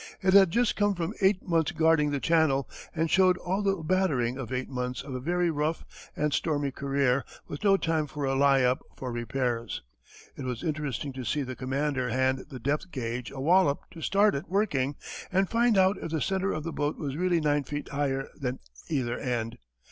It had just come from eight months' guarding the Channel, and showed all the battering of eight months of a very rough and stormy career with no time for a lie up for repairs. It was interesting to see the commander hand the depth gauge a wallop to start it working and find out if the centre of the boat was really nine feet higher than either end.